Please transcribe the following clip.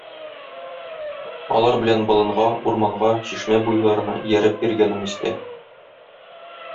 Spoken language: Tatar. Алар белән болынга, урманга, чишмә буйларына ияреп йөргәнем истә.